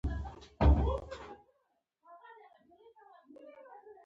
مضمون یې د لنډیو په څېر غني دی.